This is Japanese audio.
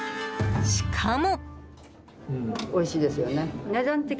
しかも。